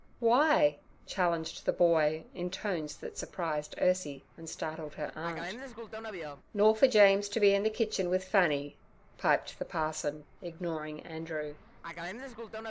'Why?' challenged the boy, in tones that surprised Ursie and startled her aunt. 'Nor for James to be in the kitchen with Fanny' piped the parson, ignoring Andrew.